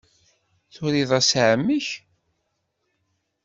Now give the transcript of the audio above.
Turiḍ-as i ɛemmi-k?